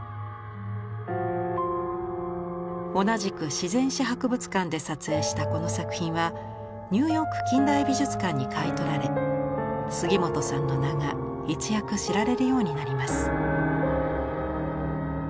同じく自然史博物館で撮影したこの作品はニューヨーク近代美術館に買い取られ杉本さんの名が一躍知られるようになります。